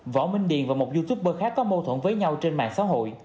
võ minh điền và một youtuber khác có mâu thuẫn với nhau trên mạng xã hội